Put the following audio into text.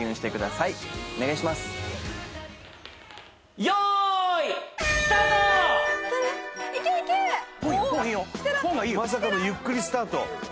いいよまさかのゆっくりスタート